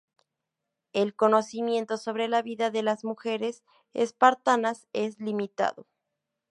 El conocimiento sobre la vida de las mujeres espartanas es limitado.